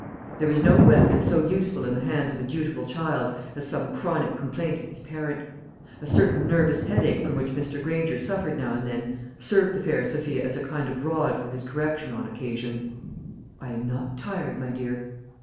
There is no weapon so useful in the hands of a dutiful child as some chronic complaint of its parent. A certain nervous headache from which Mr. Granger suffered now and then served the fair Sophia as a kind of rod for his correction on occasions. "I am not tired, my dear."